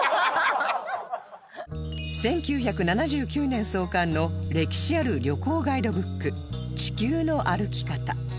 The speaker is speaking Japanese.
１９７９年創刊の歴史ある旅行ガイドブック『地球の歩き方』